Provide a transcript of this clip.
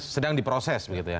sedang diproses begitu ya